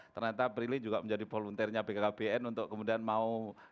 ternyata prilly juga menjadi volunteernya bkkbn untuk kemudian berjalan ke bkkbn